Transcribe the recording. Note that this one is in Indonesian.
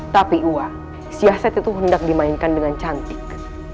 tapi gua si yaset itu hendak dimainkan dengan cantik